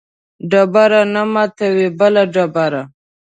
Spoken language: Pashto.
ډبره نه ماتوي بله ډبره